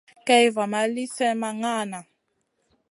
Kay va ma li slèhna ma ŋahna.